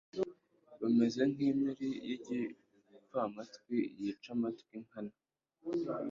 bameze nk'impiri y'igipfamatwi, yica amatwi nkana